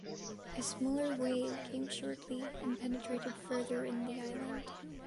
A smaller wave came shortly and penetrated further in the island.